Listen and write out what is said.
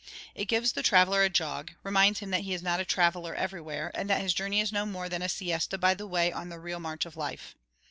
It gives the traveller a jog, reminds him that he is not a traveller everywhere, and that his journey is no more than a siesta by the way on the real march of life.